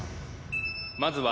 まずは